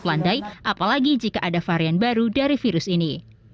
vaksinnya akan tetap landai apalagi jika ada varian baru dari virus ini